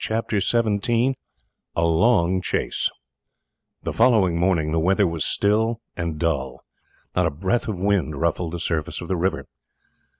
CHAPTER XVII: A LONG CHASE The following morning the weather was still and dull. Not a breath of wind ruffled the surface of the river.